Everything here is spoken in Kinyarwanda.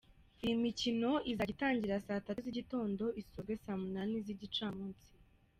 Iyi mikino izajya itangira saa tatu z’igitondo isozwe saa munani z’igicamunsi.